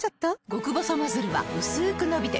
極細ノズルはうすく伸びて